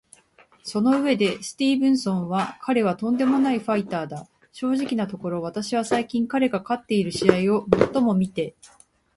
その上でスティーブンソンは「彼は、とんでもないファイターだ。正直なところ、私は最近彼が勝っている試合を最も観ているかもしれない。私はまず彼の功績を認める。そして彼のスキル、スピード、パワー、すべてが素晴らしいよ」と称賛している。